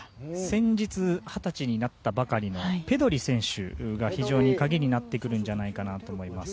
先日二十歳になったばかりのペドリ選手が非常に鍵になると思います。